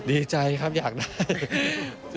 ดีใจครับอยากได้